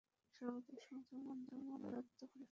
সর্বদা এই সংযমের মানদণ্ড দ্বারা আত্মপরীক্ষা করিবে।